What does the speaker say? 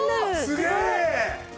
すげえ！